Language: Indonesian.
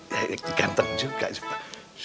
ya digantet juga sih pak